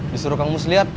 disuruh kang muslihat